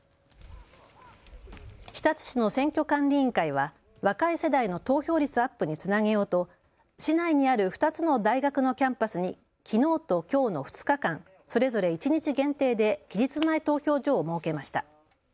日立市の選挙管理委員会は若い世代の投票率アップにつなげようと市内にある２つの大学のキャンパスにきのうときょうの２日間、それぞれ１日限定で期日前投票所を設けました。